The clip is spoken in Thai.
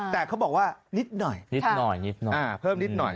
แต่เขาบอกว่านิดหน่อยเพิ่มนิดหน่อย